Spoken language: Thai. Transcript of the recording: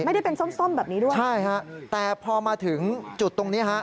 ไม่ได้เป็นส้มส้มแบบนี้ด้วยใช่ฮะแต่พอมาถึงจุดตรงนี้ฮะ